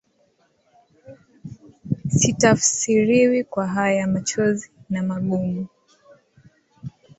Sitafsiriwi kwa haya, machozi na magumu